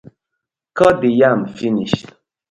Kot de yam finish.